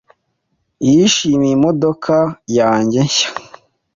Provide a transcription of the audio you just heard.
Yishimiye imodoka yanjye nshya.